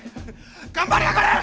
頑張りやがれ！